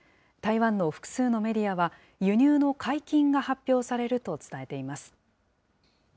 台湾の複数のメディアは、輸入の解禁が発表されると伝えています。